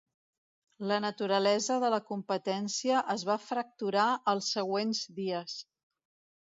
La naturalesa de la competència es va fracturar als següents dies.